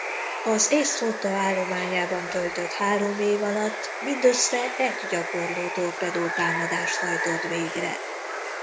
Az észt flotta állományában töltött három év alatt mindössze egy gyakorló torpedó-támadást hajtott végre.